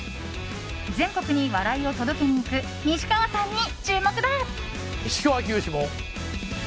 全国に笑いを届けに行く西川さんに注目だ。